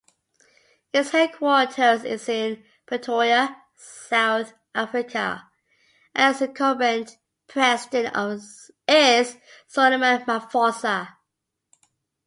Its headquarters is in Pretoria, South Africa and its incumbent president is Solomon Maphosa.